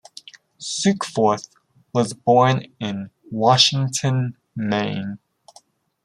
Sukeforth was born in Washington, Maine.